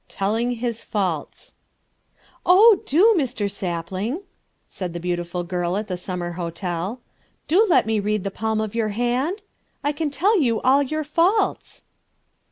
Telling His Faults "Oh, do, Mr. Sapling," said the beautiful girl at the summer hotel, "do let me read the palm of your hand! I can tell you all your faults."